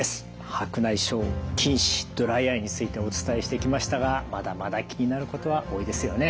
白内障近視ドライアイについてお伝えしてきましたがまだまだ気になることは多いですよね。